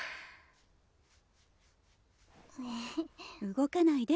動かないで。